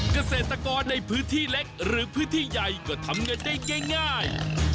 เกษตรกรในพื้นที่เล็กหรือพื้นที่ใหญ่ก็ทำเงินได้ง่าย